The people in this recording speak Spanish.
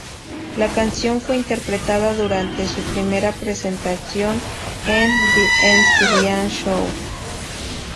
La canción fue interpretada durante su primera presentación en "The Ed Sullivan Show".